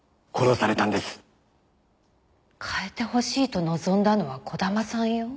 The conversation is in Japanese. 変えてほしいと望んだのは児玉さんよ。